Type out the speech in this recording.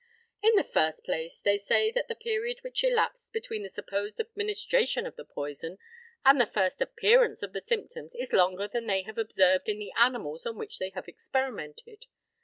In the first place, they say that the period which elapsed between the supposed administration of the poison and the first appearance of the symptoms is longer than they have observed in the animals on which they have experimented.